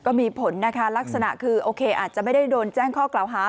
ก็มีผลนะคะลักษณะคือโอเคอาจจะไม่ได้โดนแจ้งข้อกล่าวหา